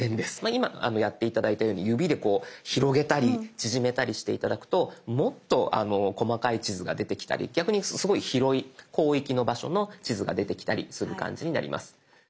今やって頂いたように指でこう広げたり縮めたりして頂くともっと細かい地図が出てきたり逆にすごい広い広域の場所の地図が出てきたりする感じになります。